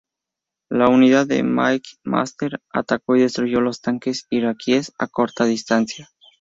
La unidad de McMaster atacó y destruyó los tanques iraquíes a corta distancia.